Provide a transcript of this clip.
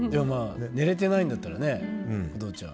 寝れてないんだったらね。